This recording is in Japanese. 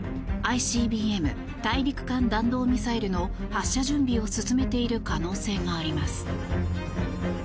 ＩＣＢＭ・大陸間弾道ミサイルの発射準備を進めている可能性があります。